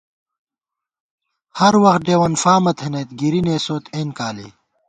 ہر وخت ڈېوَن فامہ تھنَئیت گِری نېسوت اېن کالے